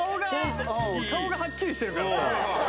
顔がはっきりしてるからさホント？